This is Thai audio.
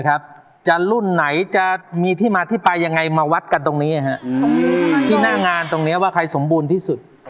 จะรุ่นไหนจะมีที่มาที่ไปยังไงมาวัดกันตรงนี้ที่หน้างานตรงนี้ว่าใครสมบูรณ์ที่สุด